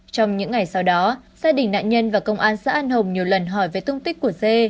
trong những ngày sau đó gia đình nạn nhân và công an xã an hồng nhiều lần hỏi về tung tích của dê